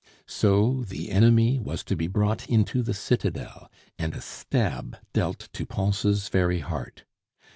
So the enemy was to be brought into the citadel, and a stab dealt to Pons' very heart.